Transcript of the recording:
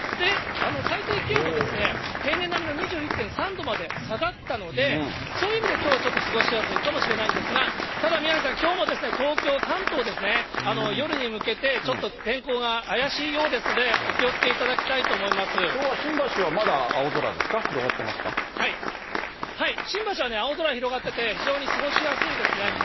最低気温も平年並みの２１．３度まで下がったので、そういう意味で、きょうはちょっと過ごしやすいのかもしれないんですが、ただ宮根さん、きょうも東京、関東ですね、夜に向けてちょっと天候が怪しいようですので、お気をつけいただきょうは新橋はまだ青空ですはい、新橋は青空広がってて、非常に過ごしやすいですね。